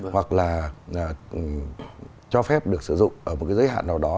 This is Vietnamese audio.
hoặc là cho phép được sử dụng ở một cái giới hạn nào đó